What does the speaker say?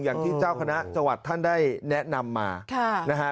อย่างที่เจ้าคณะจังหวัดท่านได้แนะนำมานะฮะ